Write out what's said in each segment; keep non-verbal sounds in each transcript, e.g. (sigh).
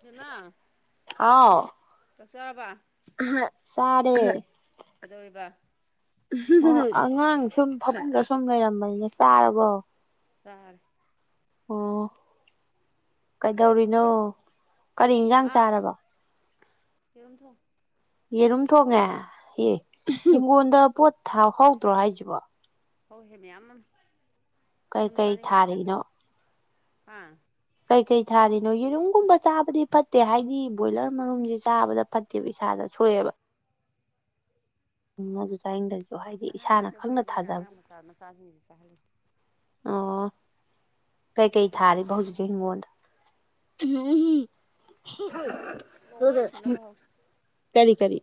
ꯏꯕꯦꯝꯃꯥ ꯍꯥꯎ ꯆꯥꯛꯆꯥꯔꯕ ꯆꯥꯔꯦ ꯀꯩꯗꯧꯔꯤꯕ ꯑꯉꯥꯡ ꯁꯨꯝ ꯐꯃꯨꯡꯗ ꯁꯨꯝ ꯂꯩꯔꯝꯕꯅꯤꯗ ꯆꯥꯔꯕꯣ ꯆꯥꯔꯦ ꯍ‌ꯣ ꯀꯩꯗꯧꯔꯤꯅꯣ ꯀꯔꯤ ꯏꯟꯁꯥꯡ ꯑꯥ ꯆꯥꯔꯕ ꯌꯦꯔꯨꯝ ꯊꯣꯡ ꯌꯦꯔꯨꯝ ꯊꯣꯡꯉꯦ ꯑꯦ ꯑꯧ ꯍꯤꯡꯒꯣꯟꯗ ꯄꯣꯠ ꯊꯥꯍꯧꯗ꯭ꯔꯣ ꯍꯥꯏꯁꯤꯕꯣ ꯍꯧꯋꯤꯍꯦ ꯃꯌꯥꯝꯃ ꯁꯨꯝ ꯀꯩꯀꯩ ꯆꯥꯅꯤꯡ ꯉꯛꯇꯔꯦ ꯊꯥꯔꯤꯅꯣ ꯀꯩꯅꯣ ꯍꯥꯥ ꯀꯩꯀꯩ ꯊꯥꯔꯤꯅꯣ ꯌꯦꯔꯨꯝꯒꯨꯝꯕ ꯆꯥꯕꯗꯤ ꯐꯠꯇꯦ ꯍꯥꯏꯗꯤ ꯕꯣꯏꯂ ꯭ꯔ ꯃꯔꯨꯝꯁꯦ ꯆꯥꯕꯗ ꯐꯠꯇꯦꯕ ꯏꯁꯥꯗ ꯁꯣꯛꯑꯦꯕ ꯅꯖ ꯆꯥꯏꯌꯦꯡꯗꯁꯨ ꯍꯥꯏꯗꯤ ꯏꯁꯥꯅ ꯈꯪꯅ ꯊꯥꯖꯕ ꯆ ꯃꯆꯥꯥꯁꯁꯤꯡꯁꯦꯍꯜꯂꯤ ꯑꯣ ꯀꯩꯀꯩ ꯊꯥꯔꯤꯕ ꯍꯧꯖꯤꯛꯁꯦ ꯍꯤꯡꯒꯣꯜꯗ (unintelligible) ꯂꯣꯏ ꯁꯨꯅꯕ ꯍꯧꯔꯦ ꯀꯔꯤ ꯀꯔꯤ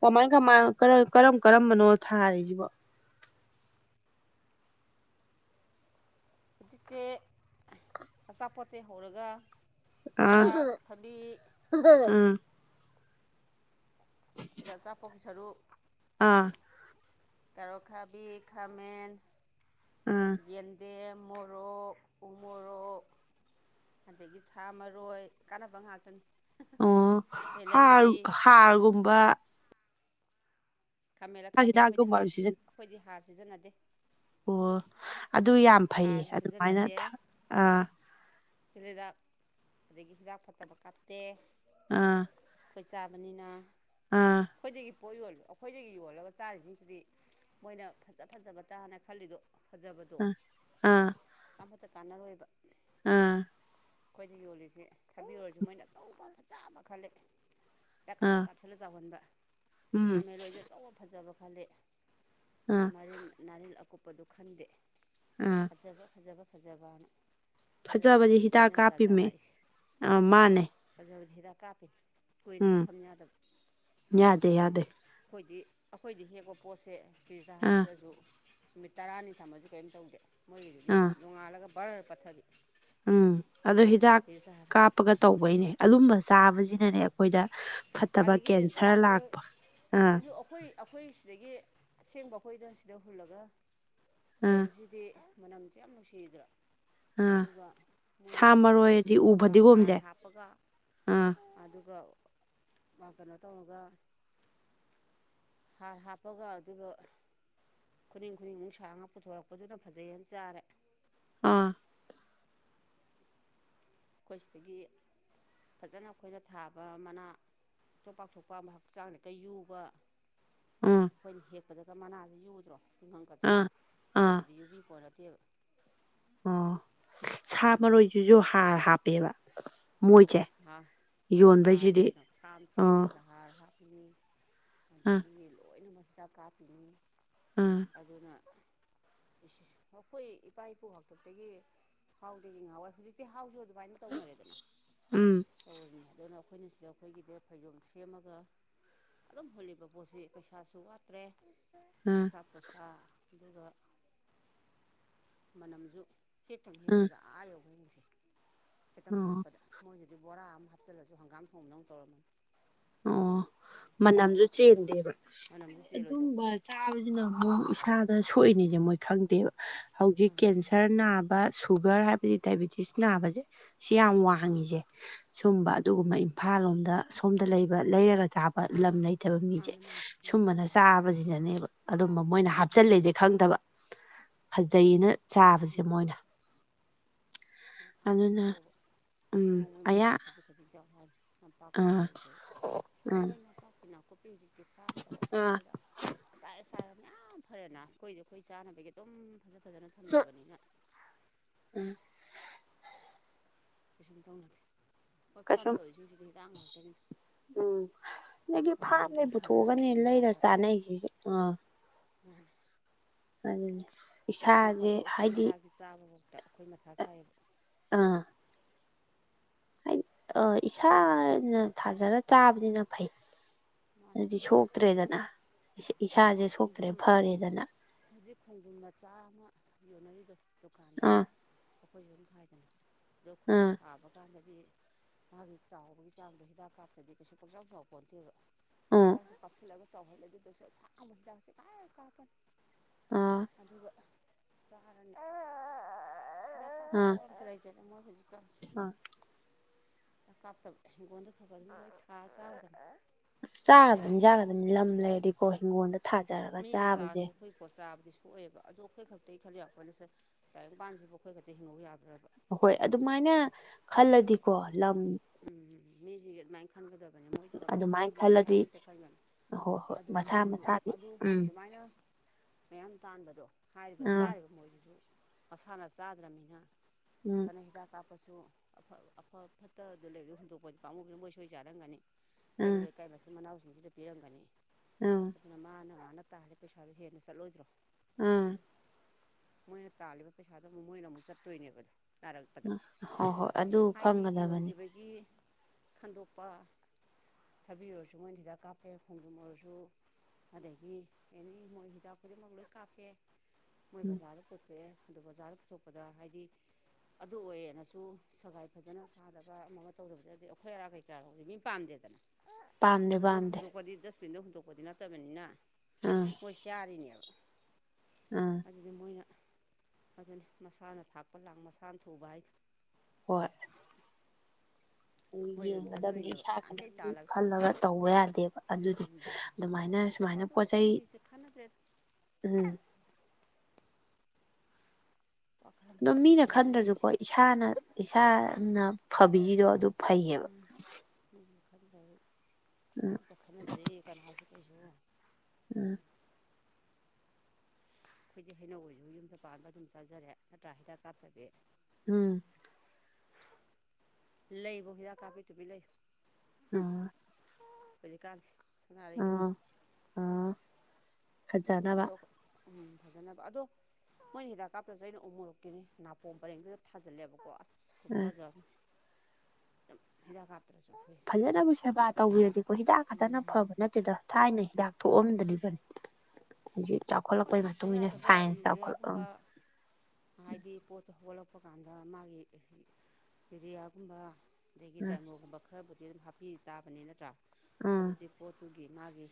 ꯀꯃꯥꯏ ꯀꯃꯥꯏ ꯀꯔ ꯝ ꯀꯔꯝ ꯀꯔꯝꯕꯅꯣ ꯊꯥꯔꯤꯁꯤꯕꯣ ꯍꯧꯖꯤꯛꯁꯦ ꯑꯆꯥꯄꯣꯠꯇꯩ ꯍꯧꯔꯒ ꯆꯨꯖꯥꯛ ꯊꯕꯤ ꯎꯝ ꯑꯆꯥꯄꯣꯠꯀꯤ ꯁꯔꯨꯛ ꯑꯥ (unintelligible) ꯀꯔꯣꯟ ꯑꯈꯥꯕꯤ ꯈꯥꯃꯦꯟ ꯎꯝ ꯌꯦꯟꯗꯦꯝ ꯃꯣꯔꯣꯛ ꯎ ꯃꯣꯔꯣꯛ ꯑꯗꯒꯤ ꯁꯥ ꯃꯔꯣꯏ ꯀꯥꯟꯅꯕ ꯉꯥꯛꯇꯅꯤ ꯑꯣ ꯍꯥꯔ ꯚꯦꯂꯦꯟꯗ꯭ꯔꯤ ꯍꯥꯔꯒꯨꯝꯕ ꯃꯦꯟꯂ ꯊꯕꯤ ꯍꯤꯗꯥꯛ ꯑꯩꯈꯣꯏꯗꯤ ꯍꯥꯔ ꯑꯩꯈꯣꯏꯗꯤ ꯍꯥꯔ ꯁꯤꯖꯤꯟꯅꯗꯦ ꯑꯣ ꯑꯗꯨ ꯌꯥꯝ ꯐꯩ ꯍꯥꯔꯁꯨ ꯑꯗꯨꯃꯥꯏꯅ ꯑꯥ ꯇꯤꯜ ꯍꯤꯗꯥꯛ ꯑꯗꯒꯤ ꯍꯤꯗꯥꯛ ꯐꯠꯇꯕ ꯀꯥꯞꯇꯦ ꯑꯥ ꯑꯩꯈꯣꯏ ꯆꯥꯕꯅꯤꯅ ꯑꯥ ꯑꯩꯈꯣꯏꯗꯒꯤ ꯄꯣꯠ ꯌꯣꯜꯂ ꯑꯩꯈꯣꯏꯗꯒꯤ ꯌꯣꯜꯂꯒ ꯆꯥꯔꯤꯁꯤꯡꯁꯤꯗꯤ ꯃꯣꯏꯅ ꯐꯖ ꯐꯖꯕ ꯇꯥꯅ ꯈꯜꯂꯤꯗꯣ ꯐꯖꯕꯗꯣ ꯑꯥ ꯑꯃꯠꯇ ꯀꯥꯟꯅꯔꯣꯏꯕ ꯑꯥ ꯑꯩꯈꯣꯏꯁ ꯌꯣꯜꯂꯤꯁꯤꯦ ꯊꯕꯤꯔ ꯑꯣꯏꯔꯁꯨ ꯃꯣꯏꯅ ꯑꯆꯧꯕ ꯐꯖꯕ ꯈꯜꯂꯦ ꯍꯤꯗꯛ ꯑꯥ ꯀꯥꯞꯁꯟ ꯀꯥꯞꯁꯟ ꯄꯁꯜꯂ ꯆꯥꯎꯍꯟꯕ ꯎꯝ ꯈꯥꯃꯦꯟꯔꯣꯏꯁꯦ ꯑꯆꯧꯕ ꯐꯖꯕ ꯈꯂꯦ ꯑꯥ ꯃꯔꯤꯜ ꯅꯥꯔꯤꯜ ꯑꯀꯨꯞꯄꯗꯨ ꯈꯪꯗꯦ ꯎꯝ ꯐꯖꯕ ꯐꯖꯕ ꯐꯖꯕ ꯅ ꯐꯖꯕꯗꯤ ꯍꯤꯗꯥꯛ ꯀꯥꯞꯄꯤꯃꯦ ꯑ ꯃꯥꯅꯦ ꯐꯖꯕꯗꯤ ꯍꯤꯗꯥꯛ ꯀꯥꯞꯄꯤ ꯀꯨꯏꯅꯁꯨ ꯎꯝ ꯊꯝ ꯌꯥꯗꯕ ꯌꯥꯗꯦ ꯌꯥꯗꯦ ꯑꯩꯈꯣꯏꯗꯤ ꯑꯩꯈꯣꯏꯗꯤ ꯍꯦꯛꯄ ꯄꯣꯠꯁꯦ ꯐꯔꯤꯤꯁꯇ ꯑꯥ ꯍꯥꯞꯇ꯭ꯔꯁꯨ ꯅꯨꯃꯤꯠ ꯇꯔꯥꯅꯤ ꯊꯝꯃꯁꯨ ꯀꯔꯤꯝ ꯇꯧꯗꯦ ꯃꯣꯏꯒꯤꯗꯨꯗꯤ ꯑꯥ ꯅꯣꯡꯉꯥꯜꯂꯒ ꯕꯔꯔ ꯄꯠꯊꯕꯤ ꯎꯝ ꯑꯗꯣ ꯍꯤꯗꯥꯛ ꯐ꯭ꯔꯤꯖꯇ ꯍꯥꯞꯄ ꯀꯥꯞꯄꯒ ꯇꯧꯕꯩꯅꯦ ꯑꯗꯨꯕ ꯆꯥꯕꯁꯤꯅꯅꯦ ꯑꯩꯈꯣꯏꯗ ꯐꯠꯇꯕ ꯑꯗꯒꯤ ꯁꯥ ꯀꯦꯟꯁꯔ ꯃꯔꯣꯏꯁꯨ ꯂꯥꯛꯄ ꯑꯥ ꯑꯩꯈꯣꯏ ꯑꯩꯈꯣꯏ ꯁꯤꯗꯒꯤ ꯑꯁꯦꯡꯕ ꯑꯩꯈꯣꯏꯗ ꯁꯤꯗ ꯍꯨꯜꯂꯒ ꯑꯥ ꯇꯧꯔꯤꯁꯤ ꯗꯤ ꯃꯅꯝꯁꯦ ꯌꯥꯝ ꯅꯨꯡꯁꯤꯗ꯭ꯔꯥ ꯑꯥ ꯑꯗꯨꯒ ꯁꯥ ꯃꯣꯏꯅ ꯐ꯭ꯂꯥꯝ ꯃꯔꯣꯏꯗꯤ ꯎ ꯁꯦꯝꯃꯒ ꯍꯥꯔ ꯐꯗꯤꯒꯣꯝꯁꯦ ꯍꯥꯞꯄꯒ ꯑꯥ ꯑꯗꯨꯒ ꯃꯥ ꯀꯩꯅꯣ ꯇꯧꯔꯒ ꯍꯥꯔ ꯍꯥꯞꯄꯒ ꯑꯗꯨꯒ ꯈꯨꯅꯤꯡ- ꯈꯨꯅꯤꯡꯃꯨꯛ ꯁꯥꯡ ꯉ ꯄꯨꯊꯣꯔꯛꯄꯗꯨꯅ ꯐꯖꯩꯅ ꯆꯥꯔꯦ꯫ ꯑꯥ ꯑꯩꯈꯣꯏ ꯁꯤꯗꯒꯤ ꯐꯖꯅ ꯑꯩꯈꯣꯏꯅ ꯊꯥꯕ ꯃꯅꯥ ꯄꯤꯊꯣꯛ ꯄꯥꯛꯊꯣꯛꯄ ꯍꯛꯆꯥꯡꯗ ꯒ ꯌꯨꯕ ꯎꯝ ꯑꯩꯈꯣꯏꯅ ꯍꯦꯛꯄꯗꯒ ꯃꯅꯥꯖꯤ ꯌꯨꯗ꯭ꯔꯣ ꯇꯤꯡꯈꯪꯗꯖꯤ ꯑꯥ ꯑꯥ ꯃꯣꯏꯗꯨꯗꯤ ꯌꯨꯕꯤ ꯄꯣꯠ ꯅꯠꯇꯦꯕ꯫ ꯑꯣ ꯁꯥ ꯃꯔꯣꯏꯁꯤꯁꯨ ꯍꯥꯔ ꯍꯥꯞꯄꯦꯕ꯫ ꯃꯣꯏꯁꯦ ꯍꯥ ꯃꯣꯏꯗꯤ ꯍꯥꯔꯅꯤ ꯌꯣꯟꯕꯩꯁꯤꯗꯤ ꯀꯩꯅꯣ ꯐꯥꯔꯝ ꯑꯣ ꯁꯦꯝꯃꯒ ꯍꯥꯔ ꯍꯥꯞꯄꯤꯅꯤ꯫ ꯑꯥ ꯑꯗꯒꯤ ꯂꯣꯏꯅꯃꯛ ꯍꯤꯗꯥꯛ ꯀꯥꯞꯄꯤꯅꯤ꯫ ꯑ ꯑꯗꯨꯅ ꯑꯈꯣꯏ ꯏꯄꯥ - ꯏꯄꯨ ꯍꯥꯛꯇꯛꯇꯒꯤ ꯍꯥꯎꯗꯒꯤ ꯉꯍꯥꯋꯥꯏ ꯍꯧꯖꯤꯛꯇꯤ ꯍꯥꯎꯖꯨ ꯑꯗꯨꯃꯥꯏꯅ ꯇꯧꯅꯔꯦꯗꯅ꯫ ꯎꯝ ꯇꯧꯔꯤꯅꯤ ꯑꯗꯨꯅ ꯑꯩꯈꯣꯏꯅ ꯁꯤꯗ ꯑꯩꯈꯣꯏꯒꯤꯗ ꯐꯩꯖꯣꯜ ꯁꯦꯝꯃꯒ ꯑꯗꯨꯝ ꯍꯨꯜꯂꯤꯕ ꯄꯣꯠꯁꯤ ꯄꯩꯁꯥꯁꯨ ꯋꯥꯠꯇ꯭ꯔꯦ ꯑꯥ ꯈꯣꯔꯁꯥ - ꯄꯣꯠꯁꯥ ꯑꯗꯨꯒ ꯃꯅꯝꯖꯨ ꯍꯦꯛ ꯊꯪ ꯍꯦꯛꯄꯗ ꯑꯥ ꯌꯧꯒꯩ ꯅꯨꯡꯁꯤ ꯈꯤꯇꯪ ꯑꯣ ꯍꯥꯞꯄꯗ ꯃꯣꯏꯗꯨꯗꯤ ꯕꯣꯔꯥ ꯑꯃ ꯍꯥꯞꯆꯜꯂꯁꯨ ꯍꯪꯒꯥꯝ ꯊꯣꯡꯕꯗꯧ ꯇꯧꯔꯝꯃꯅꯤ꯫ ꯑꯣ ꯃꯅꯝꯖꯨ ꯆꯦꯟꯗꯦꯕ ꯃꯅꯝꯁꯨ ꯍꯥꯏꯗꯤ ꯆꯦꯜꯂꯣꯏꯗꯧꯕ ꯑꯗꯨꯝꯕ ꯆꯥꯕꯖꯤꯅ ꯑꯃꯨꯛ ꯏꯁꯥꯗ ꯁꯣꯛꯏꯅꯤꯖꯤ ꯃꯣꯏ ꯈꯪꯗꯦꯕ ꯍꯧꯖꯤꯛ ꯃꯥꯅ ꯀꯦꯟꯁꯔ ꯁꯔ ꯅꯥꯕ ꯁꯨꯒꯔ ꯍꯥꯏꯕꯗꯤ ꯗꯥꯏꯕꯤꯇꯤꯁ ꯅꯥꯕꯖꯦ ꯁꯤ ꯌꯥꯝ ꯋꯥꯡꯉꯤ ꯖꯦ ꯁꯨꯝꯕ ꯑꯗꯨꯒꯨꯝꯕ ꯏꯝꯐꯥꯜ ꯂꯣꯝꯗ ꯁꯣꯝꯗ ꯂꯩꯕ ꯂꯩꯔꯒ ꯆꯥꯕ ꯂꯝ ꯂꯩꯇꯕ ꯃꯤ ꯖꯦ ꯃꯥꯅ ꯃꯥꯅ ꯁꯨꯝꯕꯅ ꯎꯝ ꯆꯥꯕꯖꯤꯅꯅꯦꯕ ꯑꯗꯨꯝꯕ ꯑꯁ ꯃꯣꯏꯅ ꯏꯕꯦꯝ ꯍꯥꯞꯆꯜꯂꯦ ꯖꯦ ꯈꯪꯗꯕ ꯐꯖꯩꯌꯅ ꯆꯥꯕꯖꯦ ꯃꯥꯅ ꯃꯣꯏꯅ (unintelligible) ꯑꯗꯨꯅ ꯇꯧꯕ ꯎꯝ ꯅꯣꯡꯃꯩ ꯑꯌꯥ ꯃꯅꯨꯡꯗ ꯈꯖꯤꯛ- ꯈꯖꯤꯛ ꯆꯥꯎ ꯍꯥꯏ ꯅꯄꯥꯛꯄꯤ ꯑꯥ ꯑꯣꯏꯔꯁꯨ ꯃꯔꯨ ꯑꯣꯏꯅ ꯅꯄꯥꯛꯄꯤ ꯅꯥꯀꯨꯞꯄꯤ ꯍꯧꯖꯤꯛꯇꯤ ꯐꯥꯅ ꯇꯧꯔ ꯇꯧꯔꯒ ꯑꯥ ꯍꯤꯗꯥꯛ ꯆꯥꯏꯔ - ꯆꯥꯏꯔꯒ ꯃꯌꯥꯝ ꯐꯔꯦꯅ ꯑꯩꯈꯣꯏꯗꯤ ꯑꯩꯈꯣꯏ ꯆꯥꯅꯕꯒꯤ ꯑꯗꯨꯝ ꯐꯖ ꯐꯖꯅ ꯊꯝꯅꯕꯅꯤꯅ ꯎꯝ ꯀꯩꯁꯨꯝ ꯇꯧꯅꯗꯦ ꯍꯧꯏ ꯐꯥꯔꯝ ꯀꯩꯁꯨꯝ ꯇꯧꯔꯤꯁꯤꯡꯁꯤꯗꯤ ꯍꯤꯗꯥꯛ ꯉꯥꯛꯇꯅꯤꯗ ꯎꯝ ꯑꯗꯒꯤ ꯐꯅꯕꯒꯤ ꯐꯥꯔꯝꯗꯒꯤ ꯍꯥꯔ ꯄꯨꯊꯣꯛꯑꯒꯅꯦ ꯂꯩꯔ ꯆꯥꯅꯩꯖꯤꯖꯨ ꯑꯥ ꯎꯝ ꯑꯗꯨꯅꯤ ꯏꯁꯥꯖꯦ ꯍꯥꯏꯗꯤ ꯆꯥꯕꯕꯛꯇ ꯑꯈꯣꯏ ꯃꯊꯥ ꯁꯥꯏꯌꯦꯕ꯫ ꯑꯥ ꯑ ꯏꯁꯥꯅ ꯊꯥꯖꯔ ꯆꯥꯕꯅꯤꯅ ꯐꯩ ꯫ ꯃꯥꯅꯦ ꯑꯗꯨꯗꯤ ꯁꯣꯛꯇ꯭ꯔꯦꯗꯅ ꯏꯁꯥꯍꯩ ꯈꯣꯡꯗ꯭ꯔꯨꯝ ꯁꯣꯛꯇ꯭ꯔꯦ ꯐꯔꯦꯗꯅ꯫ ꯍꯧꯖꯤꯛ ꯈꯣꯡꯗ꯭ꯔꯨꯝ ꯃꯆꯥ ꯑꯃ ꯌꯣꯟꯅꯔꯤꯗꯣ ꯗꯨꯀꯥꯟꯗ ꯑꯥ ꯑꯩꯈꯣꯏꯖꯨ ꯑꯝ ꯊꯥꯏꯗꯅ ꯑꯗꯨ ꯑꯩꯈꯣꯏꯅ ꯑꯥ ꯊꯥꯕ ꯀꯥꯟꯗꯗꯤ ꯃꯥꯒꯤ ꯆꯥꯎꯕꯒꯤ ꯆꯥꯡꯗꯣ ꯍꯤꯗꯥꯛ ꯀꯥꯞꯇ꯭ꯔꯗꯤ ꯀꯩꯁꯨ ꯄꯥꯛꯆꯥꯎ ꯆꯥꯎꯄꯣꯟꯇꯦꯕꯥ꯫ ꯎꯝ (unintelligible) ꯑꯥ ꯑꯗꯨꯒ ꯆꯔꯅꯤ ꯑꯥ (unintelligible) ꯃꯣꯏ ꯍꯧꯖꯤꯛꯀꯥꯟꯁꯤ ꯑꯥ ꯀꯥꯞꯇꯕ ꯍꯤꯡꯒꯣꯟꯗ ꯈꯔ (unintelligible) ꯊꯥ ꯆꯥꯔ ꯆꯥꯒꯗꯕ ꯍꯤꯟꯖꯥꯡꯒꯥꯁꯦ ꯂꯝ ꯂꯩꯔꯗꯤꯀꯣ ꯍꯤꯡꯒꯣꯜꯗ ꯊꯥꯖꯔꯒ ꯃꯤꯅ ꯆꯥꯕꯁꯦ ꯆꯥꯔꯁꯨ ꯑꯩꯈꯣꯏ ꯄꯣꯠ ꯆꯥꯕꯗꯤ ꯁꯣꯛꯑꯣꯏꯌꯦꯕ ꯑꯗꯣ ꯑꯩꯈꯣꯏ ꯈꯛꯇꯒꯤ ꯈꯟ ꯌꯥꯄꯣꯟꯇꯦ ꯇꯥꯏꯕꯥꯡꯄꯥꯟꯁꯤꯕꯨ ꯑꯩꯈꯣꯏ ꯈꯛꯇ ꯍꯤꯡꯍꯧ ꯌꯥꯕꯔ꯭ꯕ ꯍꯍꯣꯏ ꯑꯗꯨꯃꯥꯏꯅ ꯈꯜꯂꯗꯤꯀꯣ ꯂꯝ ꯎꯝ ꯃꯤꯖꯤ ꯑꯗꯨꯃꯥꯏꯅ ꯈꯟꯒꯗꯕꯅꯤ ꯃꯣꯏ ꯌꯣꯟꯕ ꯑꯗꯨꯃꯥꯏꯅ ꯈꯛꯇꯒꯤ ꯄꯩꯁꯥ ꯈꯜꯂꯗꯤ ꯈꯛꯇ ꯈꯟꯒꯅꯤ ꯍꯣꯏ ꯍꯣꯏ ꯑꯗꯨ ꯃꯁꯥ ꯃꯣꯏꯖꯨ ꯃꯁꯥꯒꯤ ꯑꯗꯨ ꯎꯝ ꯑꯗꯨꯃꯥꯏꯅ ꯃꯌꯥꯝ ꯇꯥꯟꯕꯗꯣ ꯍꯥꯏꯔꯤꯕ ꯎꯝ ꯆꯥꯔꯤꯕ ꯃꯣꯏꯖꯤꯖꯨ ꯃꯁꯥꯅ ꯆꯥꯗ꯭ꯔꯝꯅꯤꯅ ꯎꯝ ꯐꯅ ꯍꯤꯗꯥꯛ ꯀꯥꯞꯄꯁꯨ ꯑꯐ ꯑꯐ ꯐꯠ ꯍꯇ ꯗ ꯂꯩꯕꯗꯤ ꯍꯨꯟꯇꯣꯛꯄꯗꯤ ꯄꯥꯃꯨ ꯕꯅꯤ ꯃꯣꯏ ꯁꯣꯏꯥ ꯆꯥꯔꯝꯒꯅꯤ ꯀꯩꯔꯣꯜ ꯎꯝ ꯂꯩꯀꯥꯏ ꯃꯆꯤꯟ ꯃꯅꯥꯎ ꯁꯤꯗ ꯄꯤꯔꯝꯒꯅꯤ ꯑ ꯑꯗꯨꯅ ꯃꯥꯅ ꯃꯥꯅ ꯇꯥꯜꯂꯤ ꯄꯩꯁꯥꯗꯣ ꯍꯦꯟꯅ ꯆꯠꯂꯣꯏꯗ꯭ꯔꯣ ꯎꯝ ꯃꯣꯏꯅ ꯇꯥꯜꯂꯤꯕ ꯄꯩꯁꯥꯗꯨ ꯑꯃꯨꯛ ꯃꯣꯏꯅ ꯑꯃꯨꯛ ꯆꯠꯇꯣꯏꯅꯦꯕꯗꯣ ꯅꯥꯔꯛꯄꯗ ꯎꯝ ꯍꯣꯏ ꯍꯣꯏ ꯑꯗꯨ ꯍꯥꯏꯗꯤ ꯈꯪꯒꯗꯕꯅꯤ ꯌꯣꯟꯈꯤꯕꯒꯤ ꯈꯟꯗꯣꯛꯄ ꯊꯥꯕꯤ ꯑꯣꯏꯔꯁꯨ ꯃꯣꯏꯅ ꯍꯤꯗꯥꯛ ꯀꯥꯞꯄꯦ ꯈꯣꯡꯖꯨꯝ ꯑꯣꯏꯔꯁꯨ ꯑꯗꯒꯤ ꯑꯦꯅꯤ ꯃꯣꯏ ꯍꯤꯗꯥꯛ ꯈꯨꯗꯤꯡꯃꯛ ꯂꯣꯏ ꯀꯥꯞꯄꯦ ꯃꯣꯏ ꯎꯝ ꯕꯖꯥꯔꯗ ꯄꯨꯊꯣꯛꯑꯦ ꯑꯗꯨ ꯕꯖꯥꯔꯗ ꯄꯨꯊꯣꯛꯄꯗ ꯍꯥꯏꯗꯤ ꯑꯗꯨ ꯑꯣꯏꯌꯦꯅꯁꯨ ꯁꯒꯥꯏ ꯐꯖꯅ ꯁꯥꯗꯕ ꯑꯃꯒ ꯇꯧꯗꯕꯁꯨ ꯅꯠꯇꯦ ꯑꯩꯈꯣꯏ (unintelligible) (unintelligible) ꯃꯤ ꯄꯥꯝꯗꯦꯗꯅ ꯄꯥꯝꯗꯦ ꯑꯗꯨ ꯃꯣꯏ ꯄꯥꯝꯗꯦ ꯍꯨꯟꯗꯣꯛꯄꯗꯤ ꯗꯁꯕꯤꯟꯗ ꯍꯨꯟꯗꯣꯛꯄꯗꯤ ꯅꯠꯇꯕꯅꯤꯅ ꯎꯝ ꯃꯣꯏ ꯆꯥꯔꯤꯅꯦꯕ ꯎꯝ ꯑꯗꯨꯗꯤ ꯃꯣꯏꯅ ꯑꯗꯨꯅꯤ ꯃꯁꯥꯅ ꯊꯥꯛꯄ ꯂꯥꯡ ꯃꯁꯥꯅ ꯊꯨꯕ ꯍꯥꯏꯗ ꯍꯣꯏ ꯃꯣꯏꯁꯨ ꯑꯗꯨꯝ ꯌꯦꯡꯒꯗꯕꯅꯤ ꯆꯠꯇꯣꯏꯅꯦꯕ ꯏꯁꯥꯒꯤ ꯅꯍꯥꯟꯈꯩ ꯈꯇꯪ ꯇꯥꯜꯂꯒ ꯈꯜꯂꯒ ꯇꯧꯕ ꯌꯥꯗꯦꯕ ꯑꯗꯨꯗꯤ ꯑꯗꯨ ꯑꯗꯨꯃꯥꯏꯅ ꯁꯨꯃꯥꯏꯅ ꯑꯗꯨ ꯄꯣꯠ ꯆꯩꯩ ꯃꯤꯁꯤꯡꯁꯦ ꯈꯟꯅꯗ꯭ꯔꯦꯗ ꯎꯝ ꯋꯥꯈꯜ ꯑꯗꯣ ꯑꯝꯇ ꯃꯤꯅ ꯈꯟꯗ꯭ꯔꯦ ꯃꯣꯏꯁꯤꯡꯁꯦ ꯈꯟꯗ꯭ꯔꯁꯨꯀꯣ ꯏꯁꯥꯅ ꯃꯥꯅꯦ ꯏꯁꯥꯅ ꯐꯕꯤꯔꯤꯗꯣ ꯑꯗꯨ ꯐꯩꯌꯦꯕ ꯃꯥꯅꯦ (unintelligible) ꯎꯝ ꯑꯝꯇ ꯈꯟꯅꯗ꯭ꯔꯤ ꯀꯅꯥꯁꯨ ꯀꯩꯁꯨ ꯎꯝ ꯑꯩꯈꯣꯏꯗꯤ ꯍꯩꯅꯧ ꯑꯣꯏꯁꯨ ꯌꯨꯝꯗ ꯄꯥꯟꯕ ꯑꯗꯨꯝ ꯆꯥꯖꯔꯦ ꯅꯠꯇ꯭ꯔꯥ ꯍꯤꯗꯥꯛ ꯀꯥꯞꯇꯕꯤ ꯎꯝ ꯂꯩꯕꯧ ꯍꯤꯗꯀ ꯀꯥꯄꯤ ꯇꯨꯃꯤꯟ ꯂꯩꯌꯨ ꯑꯥ ꯍꯧꯖꯤꯛꯀꯥꯟꯁꯤ ꯁꯅꯔꯩꯒꯁꯦ ꯑꯥ ꯑꯗꯣ ꯎꯝ ꯐꯖꯅꯕ ꯑꯗꯣ ꯃꯣꯏꯅ ꯍꯤꯗꯥꯛ ꯀꯥꯞꯇ꯭ꯔꯁꯨ ꯑꯩꯅ ꯎ ꯃꯣꯔꯣꯛꯀꯤꯅꯤ ꯅꯥꯄꯣꯝ ꯄꯔꯦꯡꯗꯨꯗ ꯊꯥꯖꯜꯂꯦꯕꯀꯣ ꯑꯁ ꯑ ꯈꯨꯐꯖꯥ ꯑꯝ ꯌꯥꯝ ꯍꯤꯗꯥꯛ ꯀꯥꯞꯇ꯭ꯔꯁꯨ ꯐꯏ ꯐꯖꯅꯕꯨ ꯁꯦꯕꯥ ꯇꯧꯕꯤꯔꯗꯤꯀꯣ ꯍꯤꯗꯥꯛ ꯈꯥꯇꯅ ꯐꯕ ꯅꯠꯇꯦꯗ ꯊꯥꯏꯅ ꯍꯤꯗꯥꯛ ꯊꯣꯛꯑꯝꯗꯔꯤꯕꯅꯤ ꯍꯧꯖꯤꯛ ꯍꯣꯏ ꯆꯥꯎꯈꯠꯂꯛꯄꯩ ꯍꯥꯞꯇ ꯃꯇꯨꯡ ꯏꯟꯅ ꯌꯥꯗꯕ ꯁꯥꯏꯟꯁ ꯌꯨꯔꯤꯌꯥꯒꯨꯝꯕ ꯆꯥꯎꯈꯠꯂꯛꯑꯃꯦ ꯍꯥꯏꯗꯤ ꯄꯣꯠꯇꯣ ꯍꯧꯒꯠꯂꯛꯄ ꯀꯥꯟꯗ ꯃꯥꯒꯤ ꯌꯨꯔꯤꯌꯥꯒꯨꯝꯕ ꯑꯗꯒꯤ ꯎꯝ ꯗꯥꯏꯃꯣꯟꯒꯨꯝꯕ ꯈꯔꯕꯨꯗꯤ ꯑꯗꯨꯝ ꯍꯥꯞꯄꯤ ꯇꯥꯕꯅꯤ ꯅꯠꯇ꯭ꯔꯥ ꯎꯝ ꯑꯗꯨꯗꯤ ꯄꯣꯠꯇꯨ ꯒꯤ ꯃꯥꯒꯤ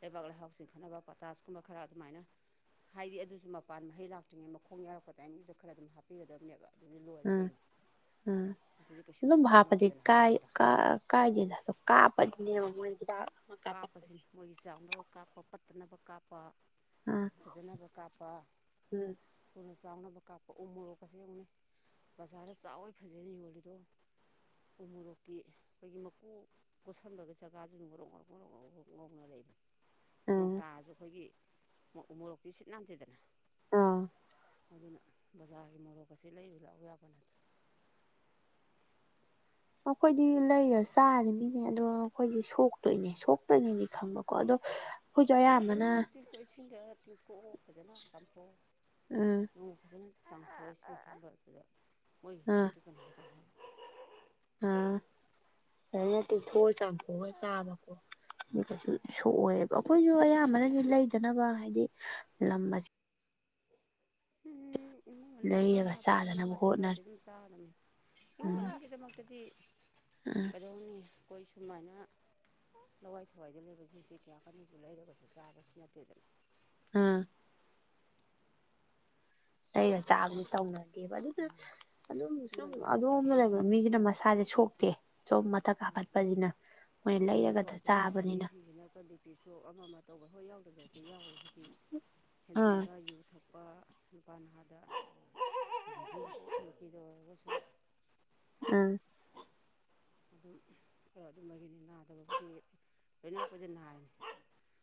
ꯂꯩꯕꯥꯛ ꯂꯩꯍꯥꯎ ꯆꯤꯡꯈꯠꯅꯕ ꯄꯇꯥꯁ ꯀꯨꯝꯕ ꯈꯔ ꯑꯗꯨꯃꯥꯏꯅ ꯍꯥꯏꯗꯤ ꯑꯗꯨꯁꯨ ꯃꯄꯥꯟ ꯃꯍꯩ ꯂꯥꯛꯇ꯭ꯔꯤꯉꯩ ꯃꯈꯣꯡ ꯌꯥꯎꯔꯛꯄ ꯇꯥꯏꯃꯤꯡꯗꯨꯗ ꯈꯔ ꯑꯗꯨꯝ ꯍꯥꯞꯄꯤꯒꯗꯕꯅꯦꯕ ꯑꯗꯨꯗꯤ ꯂꯣꯏꯔꯦ ꯎꯝ ꯀꯩꯅꯣ ꯎꯝ ꯑꯗꯨꯗꯤ ꯀꯩꯁꯨ ꯑꯗꯨꯝ ꯁꯣꯛꯄ ꯍꯥꯞꯄꯗꯤ ꯅꯠꯇꯦꯗꯅ ꯀꯥꯏ ꯍꯛꯆꯥꯡꯗ ꯀꯥ ꯀꯥꯏꯗꯦꯗ ꯀꯥꯞꯄꯗꯤꯅꯦꯕ ꯃꯣꯏ ꯍꯤꯗꯥꯛ ꯑꯃ ꯀꯥꯞꯄꯛꯄꯁꯦ ꯀꯥꯞꯄꯁꯤꯅꯤ ꯃꯣꯏꯒꯤ ꯆꯥꯎꯅꯕ ꯀꯥꯞꯄ ꯄꯠꯇꯅꯕ ꯀꯥꯞꯄ ꯑꯥ ꯐꯖꯅꯕ ꯀꯥꯞꯄ ꯎꯝ ꯊꯨꯅ ꯆꯥꯎꯅꯕ ꯀꯥꯞꯄ ꯎ ꯃꯣꯔꯣꯛꯀꯁꯦ ꯌꯦꯡꯉꯨꯅꯦ ꯕꯖꯥꯔꯗ ꯆꯥꯎꯋꯏ ꯐꯖꯅ ꯌꯣꯜꯂꯤꯗꯣ ꯎ ꯃꯣꯔꯣꯛꯀꯤ ꯑꯩꯈꯣꯏꯒꯤ ꯃꯀꯨ ꯀꯣꯠꯁꯟꯕꯒꯤ ꯖꯒꯥꯗꯨ ꯉꯣꯔꯣꯛ ꯔꯣꯛ ꯉꯥꯎꯔꯣꯛ ꯉꯧꯅ ꯂꯩꯕꯅꯤ ꯎꯝ ꯅꯣꯡꯇꯔꯁꯨ ꯑꯩꯈꯣꯏꯒꯤ ꯎꯃꯣꯔꯣꯛꯇꯤ ꯁꯤꯠ ꯅꯥꯟꯗꯦꯗꯅ ꯑꯝ ꯑꯗꯨꯅ ꯕꯖꯥꯔꯒꯤ ꯃꯣꯔꯣꯛꯀꯁꯦ ꯂꯩꯔ ꯆꯥꯕ ꯌꯥꯕ ꯅꯠꯇ꯭ꯔꯦ ꯑꯩꯈꯣꯏꯗꯤ ꯂꯩꯔ ꯆꯥꯔꯤꯃꯤꯅꯦ ꯑꯗꯣ ꯑꯩꯈꯣꯏꯗꯤ ꯁꯣꯛꯇꯣꯏꯅꯦ ꯁꯣꯛꯇꯣꯏꯅꯦꯗꯤ ꯈꯪꯕꯀꯣ ꯑꯗꯣ ꯑꯩꯈꯣꯏꯁꯨ ꯑꯗꯨ ꯐꯖꯅ ꯑꯌꯥꯝꯕꯅ ꯇꯤꯡꯊꯣꯛ ꯏꯁꯤꯡꯗ ꯇꯤꯡꯊꯣꯛꯑꯣ ꯐꯖꯅ ꯆꯥꯝꯊꯣꯛꯑꯣ ꯎꯝ ꯅꯣꯡꯃ ꯐꯖꯅ (unintelligible) ꯑ ꯐꯖꯥꯅ ꯇꯤꯊꯣꯛꯑ ꯆꯥꯝꯊꯣꯛꯑꯒ ꯆꯥꯕꯀꯣ ꯀꯩꯁꯨ ꯁꯣꯛꯑꯣꯏꯌꯦꯕ ꯑꯩꯈꯣꯏꯁꯨ ꯑꯌꯥꯝꯕꯅꯗꯤ ꯂꯩꯗꯅꯕ ꯍꯥꯏꯗꯤ ꯂꯝ (unintelligible) ꯏꯃꯨꯡ (unintelligible) ꯂꯩꯔꯒ ꯃꯔꯣꯏ ꯃꯄꯥꯛ ꯃꯅꯥ ꯆꯥꯗꯅꯕ ꯃꯁꯤꯡ ꯈꯔꯗꯤ ꯍꯣꯠꯅꯔ ꯑꯗꯨꯝ ꯆꯥꯔꯗꯝꯃꯤ ꯏꯃꯨꯡ ꯎꯝ ꯃꯅꯨꯡꯒꯤꯗꯃꯛꯇꯗꯤ ꯎꯝ ꯀꯩꯗꯧꯅꯤ ꯑꯩꯈꯣꯏ ꯁꯨꯃꯥꯏꯅ ꯂꯋꯥꯏ ꯊꯋꯥꯏꯗ ꯂꯩꯕꯁꯤꯗꯤ ꯀꯌꯥ ꯀꯥꯟꯅꯁꯨ ꯂꯩꯔꯒꯁꯨ ꯆꯥꯕꯁꯨ ꯅꯠꯇꯦꯗꯅ ꯑꯥꯝ ꯂꯩꯔ ꯆꯥꯕꯗꯤ ꯇꯧꯅꯔꯦ ꯑꯗꯨꯅ ꯑꯗꯨꯝ ꯑꯗꯨꯅ ꯁꯨꯝ ꯂꯋꯥꯏ ꯊꯋꯥꯏꯗ ꯑꯗꯣꯝꯅ ꯂꯩꯕ ꯃꯤꯁꯤꯅ ꯅꯥꯕꯁꯤꯡꯁꯤꯅ ꯃꯁꯥꯁꯦ ꯁꯣꯛꯇꯦ ꯁꯣꯝ ꯃꯥꯅ ꯥꯜ ꯄꯅ ꯃꯣꯏ (inaudible) ꯂꯋꯥꯏ ꯊꯋꯥꯏꯗ ꯅꯥꯕ ꯃꯤꯁꯤꯡꯁꯤꯅ ꯀꯩ ꯕꯤ ꯄꯤ ꯁꯣꯞ ꯑꯃ ꯑꯃ ꯇꯧꯕ ꯍꯣꯏ ꯌꯥꯎꯗꯕꯗꯤ ꯌꯥꯎꯔꯤꯁꯤꯗꯤ ꯑꯥ ꯍꯦꯟꯖꯤꯟꯕ ꯌꯨ ꯊꯛ ꯄꯥ ꯅꯨꯨꯄꯥ ꯅꯍꯥꯗ ꯅꯨꯄꯤꯗ ꯑꯣꯏꯔꯒꯁꯨ ꯎꯝ ꯑꯗꯨꯝ ꯈꯔ ꯑꯗꯨꯝꯕꯒꯤꯅꯤ ꯅꯥꯗꯕꯕꯨꯗꯤ ꯂꯣꯏꯅ ꯐꯣꯏꯗꯅ ꯅꯥꯏꯅꯤ (inaudible)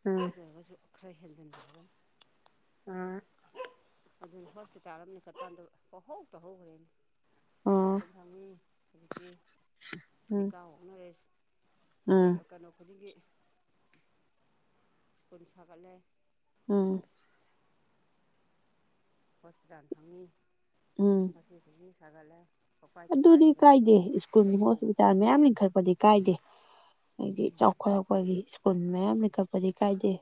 ꯑꯥ ꯑꯗꯨ ꯑꯣꯏꯔꯒꯁꯨ ꯈꯔ ꯍꯦꯟꯖꯤꯟꯕ ꯍꯥꯏꯕ ꯑꯃ ꯎꯝ ꯑꯗꯨꯅ ꯍꯣꯁꯄꯤꯇꯥꯜ ꯑꯃ ꯆꯠꯄꯥꯟꯗ ꯈꯍꯧ ꯇ ꯍꯧꯈ꯭ꯔꯦꯅꯦ ꯑꯥ ꯑꯣ ꯁ꯭ꯀꯨꯜ ꯐꯪꯉꯤ ꯍꯧꯖꯤꯛꯇꯤ ꯊꯤꯀꯥ ꯑꯣꯟꯅꯔꯦ ꯎꯝ ꯀꯩꯅꯣ ꯈꯨꯗꯤꯡꯒꯤ ꯁ꯭ꯀꯨꯜ ꯁꯥꯒꯠꯂꯦ ꯎꯝ ꯍꯣꯁꯄꯤꯇꯥꯜ ꯐꯪꯉꯤ ꯎꯝ ꯃꯆꯤ ꯈꯨꯗꯤꯡ ꯁꯒꯥꯠꯂꯦ ꯑꯗꯨꯗꯤ ꯀꯥꯏꯗꯦ ꯁ꯭ꯀꯨꯜ ꯁꯨꯕ ꯍꯣꯁꯄꯤꯇꯥꯜ ꯄꯣꯠꯁꯤꯅ ꯃꯌꯥꯝ ꯏꯟꯈꯠꯛꯄꯗꯤ ꯀꯥꯏꯗꯦ ꯍꯥꯏꯗꯤ ꯆꯥꯎꯈꯠ ꯑꯩꯈꯣꯏꯒꯤ ꯁ꯭ꯀꯨꯜ ꯃꯌꯥꯝ ꯂꯤꯡꯈꯠꯄꯗꯤ ꯀꯥꯏꯗꯦ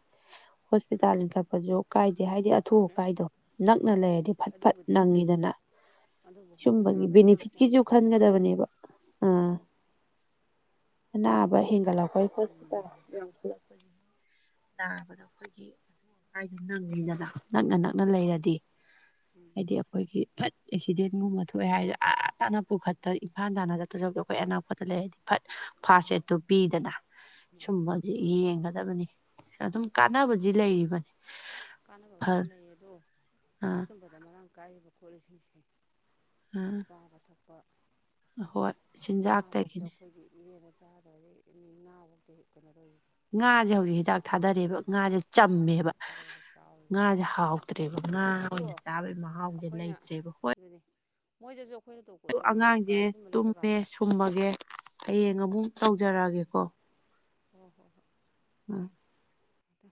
ꯍꯣꯁꯄꯤꯇꯥꯜ ꯂꯤꯡꯈꯠꯄꯁꯨ ꯀꯥꯏꯗꯦ ꯍꯥꯏꯗꯤ ꯑꯊꯨ ꯃꯌꯥꯝ ꯑꯀꯥꯏꯗꯣ ꯅꯛꯅ ꯂꯩꯔꯗꯤ ꯍꯣꯏ ꯐꯠ ꯐꯠ ꯑꯗꯨꯕꯨꯗꯤ ꯑꯗꯨꯅꯤ ꯅꯪꯉꯤꯗꯅ ꯑꯗꯨꯕꯨ ꯍꯥꯏꯕ ꯁꯨꯝꯕꯒꯤ ꯅꯥꯕꯒꯤ ꯕꯦꯅꯤꯐꯤꯠ ꯆꯥꯡꯁꯦ ꯌꯥꯝ ꯁꯤꯁꯨ ꯃꯇꯤꯛ ꯍꯦꯟꯒꯠꯂꯛꯑꯦ ꯍꯥꯏꯕ ꯈꯟꯒꯗꯕꯅꯦꯕ ꯑꯥ ꯑꯅꯥꯕ ꯍꯦꯟꯒꯠꯂꯛꯄꯩ ꯍꯁ (inaudible) ꯅꯥꯕꯗ ꯑꯩꯈꯣꯏꯒꯤ ꯑꯊꯨ ꯑꯀꯥꯏꯗꯣ ꯅꯪꯉꯤꯗꯅ ꯅꯛꯅ ꯅꯛꯅ ꯂꯩꯔꯗꯤ ꯍꯥꯏꯗꯤ ꯑꯩꯈꯣꯏꯒꯤ ꯑꯦꯛꯁꯤꯗꯦꯟꯒꯨꯝꯕ ꯊꯣꯛꯑꯦ ꯍꯥꯏꯗꯤ ꯑꯥꯥ ꯇꯥꯅ ꯄꯨꯈꯠꯇ ꯏꯝꯐꯥꯜ ꯇꯥꯅ ꯑꯗꯨꯁꯨꯝꯕꯩ ꯑꯩꯈꯣꯏ ꯃꯥꯅꯤ ꯑꯅꯥꯛꯄꯗ ꯂꯩꯔꯗꯤ ꯐꯠ ꯐꯥꯁ ꯑꯦꯗꯠꯇꯣ ꯄꯤꯗꯅ ꯃꯥꯅꯤ ꯁꯨꯝꯕ ꯌꯦꯡꯒꯗꯕꯅꯤ ꯑꯗꯨꯝ ꯀꯥꯟꯅꯕꯗꯤ ꯂꯩꯔꯤꯕꯅꯤ ꯀꯥꯟꯅꯕꯕꯨꯗꯤ ꯐꯔ ꯂꯩꯌꯦ ꯑꯗꯣ ꯑꯥ ꯁꯨꯝꯕꯗ ꯃꯔꯥꯡ ꯀꯥꯏꯔꯤꯕ ꯈꯣꯠꯂꯤꯁꯤꯡꯁꯦ ꯑꯥ ꯆꯥꯕ ꯊꯛꯄ ꯍꯣꯏ ꯉꯥ ꯐꯧꯗ ꯆꯤꯟꯖꯥꯛꯇꯒꯤꯅꯦ ꯑꯩꯈꯣꯏꯒꯤ ꯏꯦꯅ ꯆꯥꯗ꯭ꯔꯗꯤ ꯃꯤ ꯉꯥꯐꯧꯗꯤ ꯀꯩꯅꯣ ꯇꯧꯋ ꯉꯥꯁꯦ ꯍꯧꯖꯤꯛ ꯍꯤꯗꯥꯛ ꯊꯥꯗꯔꯦꯕ ꯉꯥꯁꯦ ꯉꯥꯁꯦ ꯆꯝꯃꯦꯕ ꯍꯤꯗꯥꯛ ꯊꯥꯗꯔꯒ ꯆꯥꯎꯔꯤ ꯉꯥꯁꯦ ꯍꯥꯎꯇ꯭ꯔꯦꯕ ꯉꯥ ꯑꯥ ꯑꯗꯣ ꯑꯣꯏꯅ ꯆꯥꯕꯩ ꯃꯍꯥꯎꯁꯦ ꯑꯩꯈꯣꯏꯅ ꯂꯩꯇ꯭ꯔꯦꯕ ꯍꯣꯏ ꯑꯗꯨꯅꯤ (unintelligible) ꯑꯗꯨ ꯑꯉꯥꯡꯁꯦ ꯎꯀꯥꯕꯤꯒꯨꯝꯕ ꯂꯩꯕ ꯇꯨꯝꯃꯦ ꯀꯥꯟꯗ ꯁꯨꯝꯃꯒꯦ ꯍꯌꯦꯡ ꯑꯃꯨꯛ ꯇꯧꯖꯔꯛꯑꯒꯦꯀꯣ ꯍꯣꯏ ꯍꯣꯏ ꯍꯣꯏ ꯎꯝ